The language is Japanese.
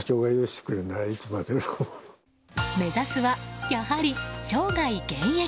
目指すは、やはり生涯現役！